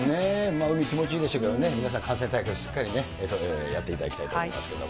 海、気持ちいいでしょうからね、皆さん、感染対策、しっかりね、やっていただきたいと思いますけれども。